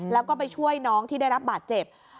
แล้วก็ไปช่วยน้องที่ได้รับบาดเจ็บ